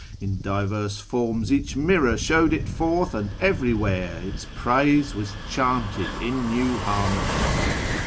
In divers forms Each mirror showed It forth, and everywhere Its praise was chanted in new harmonies.